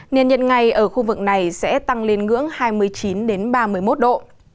nền nhiệt ngày ở khu vực này sẽ tăng lên ngưỡng hai mươi chín ba mươi một độ